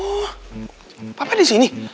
oh papa di sini